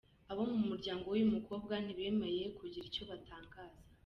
Abo mu muryango w’uyu mukobwa ntibemeye kugira icyo batangaza.